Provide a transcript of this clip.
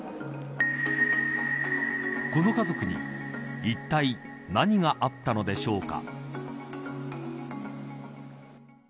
この家族にいったい何があったのでしょうか。